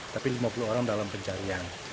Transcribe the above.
tapi lima puluh orang dalam pencarian